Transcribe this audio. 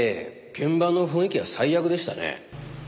現場の雰囲気は最悪でしたね。